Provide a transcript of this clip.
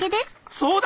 そうだ！